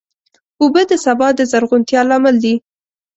اوبه د سبا د زرغونتیا لامل دي.